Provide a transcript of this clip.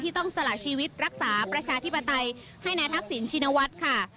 ต้องสละชีวิตรักษาประชาธิปไตยให้นายทักษิณชินวัฒน์ค่ะ